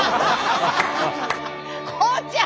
孝ちゃん！